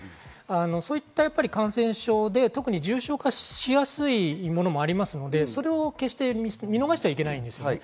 そういう感染症で重症化しやすいものもありますので、決して見逃しちゃいけないんです。